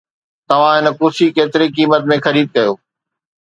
توهان هن ڪرسي ڪيتري قيمت ۾ خريد ڪيو؟